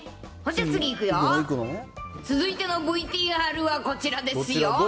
続いてのＶＴＲはこちらですよ。